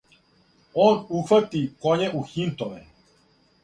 Он ухвати коње у хинтове,